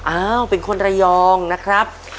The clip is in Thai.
อ้าวเป็นคนระยองนะครับ